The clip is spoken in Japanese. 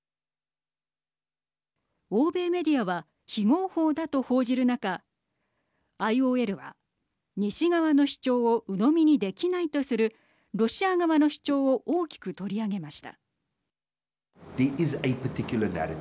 欧米メディアは非合法だと報じる中ＩＯＬは西側の主張をうのみにできないとするロシア側の主張を大きく取り上げました。